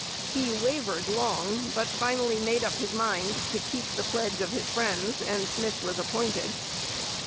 He wavered long, but finally made up his mind to keep the pledge of his friends; and Smith was appointed.